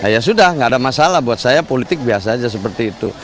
ya sudah tidak ada masalah buat saya politik biasa aja seperti itu